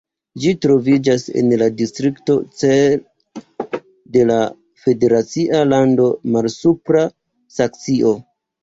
Ĝi troviĝas en la distrikto Celle de la federacia lando Malsupra Saksio.